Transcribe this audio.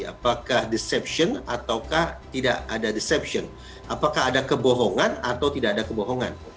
apakah disepsion atau tidak ada disepsion apakah ada kebohongan atau tidak ada kebohongan